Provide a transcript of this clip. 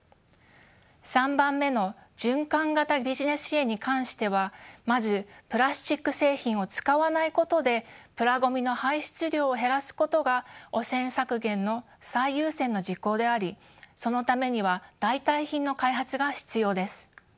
３番目の循環型ビジネス支援に関してはまずプラスチック製品を使わないことでプラごみの排出量を減らすことが汚染削減の最優先の事項でありそのためには代替品の開発が必要です。